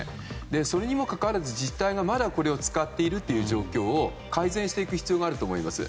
それにもかかわらず自治体がまだ、これを使っているという状況を改善していく必要があると思います。